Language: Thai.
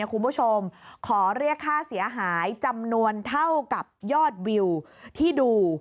คุณผู้ชมขอเรียกค่าเสียหายจำนวนเท่ากับยอดวิวที่ดู